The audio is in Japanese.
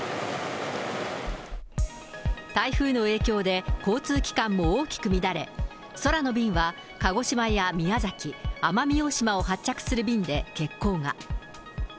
台風の影響で交通機関も大きく乱れ、空の便は鹿児島や宮崎、奄美大島を発着する便で欠航が。